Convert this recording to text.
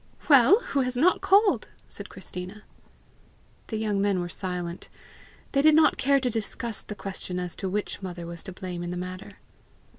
"Well, who has not called?" said Christina. The young men were silent. They did not care to discuss the question as to which mother was to blame in the matter.